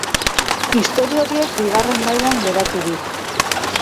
Istorio horiek bigarren mailan geratu dira.